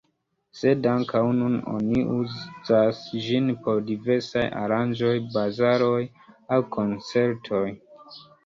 Sed ankaŭ nun oni uzas ĝin por diversaj aranĝoj, bazaroj aŭ koncertoj.